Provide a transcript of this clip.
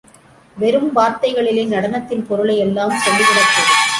வெறும் வார்த்தைகளிலே நடனத்தின் பொருளை எல்லாம் சொல்லி விடக் கூடும்.